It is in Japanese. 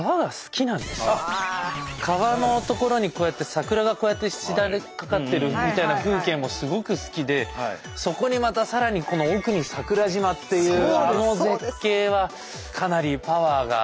川の所にこうやって桜がこうやってしだれかかってるみたいな風景もすごく好きでそこにまたさらにこの奥に桜島っていうあの絶景はかなりパワーが。